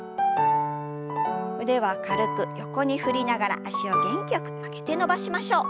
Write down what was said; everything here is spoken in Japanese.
腕は軽く横に振りながら脚を元気よく曲げて伸ばしましょう。